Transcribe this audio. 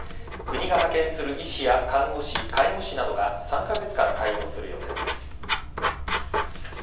国が派遣する医師や看護師介護士などが３カ月間、対応する予定です。